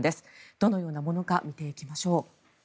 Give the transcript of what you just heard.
どのようなものか見ていきましょう。